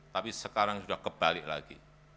tapi sekarang sudah kebalik lagi